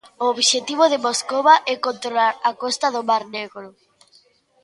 O obxectivo de Moscova é controlar a costa do mar Negro.